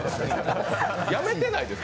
辞めてないですか？